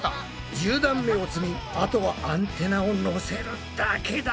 １０段目を積みあとはアンテナをのせるだけだ。